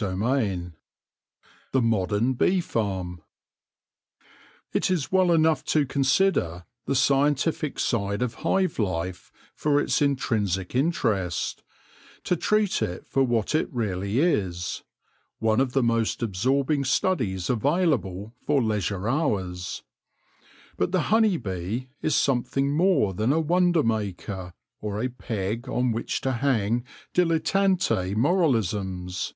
CHAPTER XVI THE MODERN BEE FARM IT is well enough to consider the scientific side of hive life for its intrinsic interest, to treat it for what it really is — one of the most absorbing studies available for leisure hours. But the honey bee is something more than a wonder maker, or a peg on which to hang dilettante moraiisms.